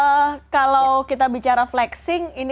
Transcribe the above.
mungkin kalau kita lihat contohnya mereka punya jeep dan sebagainya